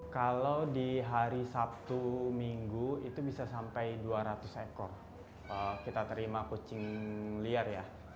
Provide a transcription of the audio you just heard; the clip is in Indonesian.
kalau di hari sabtu minggu itu bisa sampai dua ratus ekor kita terima kucing liar ya